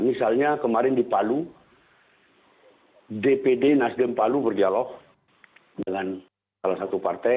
misalnya kemarin di palu dpd nasdem palu berdialog dengan salah satu partai